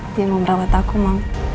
dia mau merawat aku mau